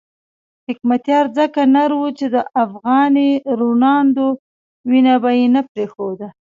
حکمتیار ځکه نر وو چې د افغاني روڼاندو وینه به یې نه پرېښوده.